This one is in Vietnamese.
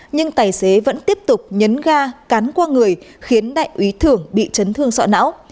nhưng tài xế vẫn tiếp tục nhấn ga cán qua người khiến đại úy thưởng bị chấn thương sọ não